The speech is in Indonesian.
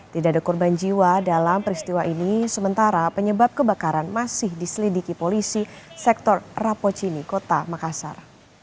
tidak ada korban jiwa dalam peristiwa ini sementara penyebab kebakaran masih diselidiki polisi sektor rapocini kota makassar